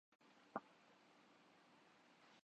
جغرافیے کی اٹل حقیقت ہوتی ہے۔